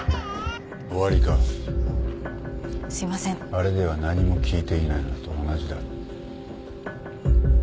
あれでは何も聞いていないのと同じだ。